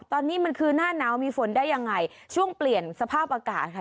ตอนนี้มันคือหน้าหนาวมีฝนได้ยังไงช่วงเปลี่ยนสภาพอากาศค่ะ